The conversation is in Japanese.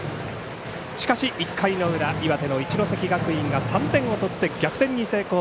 しかし１回の裏岩手の一関学院が３点を取って逆転に成功。